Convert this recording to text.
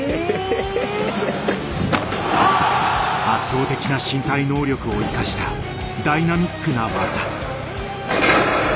圧倒的な身体能力を生かしたダイナミックな技。